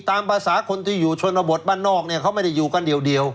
ตามภาษาคนที่อยู่ชนบทบ้านนอกเนี่ยเขาไม่ได้อยู่กันเดียว